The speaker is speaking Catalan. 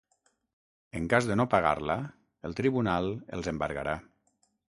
En cas de no pagar-la, el tribunal els embargarà.